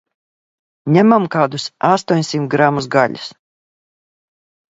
Ņemam kādus astoņsimt gramus gaļas.